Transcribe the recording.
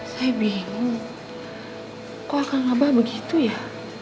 saya bingung kok akang abah begitu ya